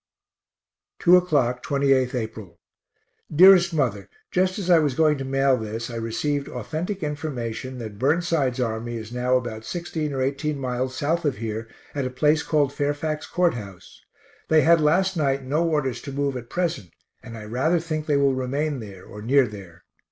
2 o'clock, 28th April. DEAREST MOTHER Just as I was going to mail this I received authentic information [that] Burnside's army is now about 16 or 18 miles south of here, at a place called Fairfax Court House. They had last night no orders to move at present, and I rather think they will remain there, or near there.